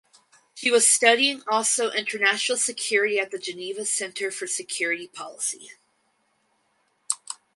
She was studying also international security at the Geneva Centre for Security Policy.